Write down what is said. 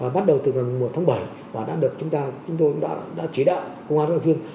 bắt đầu từ mùa tháng bảy và đã được chúng ta chúng tôi đã chỉ đạo công an học viên